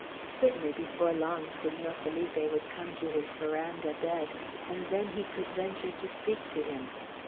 Certainly before long Senor Felipe would come to his veranda bed, and then he could venture to speak to him.